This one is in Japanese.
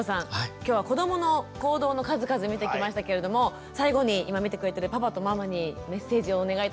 今日は子どもの行動の数々見てきましたけれども最後に今見てくれているパパとママにメッセージをお願いいたします。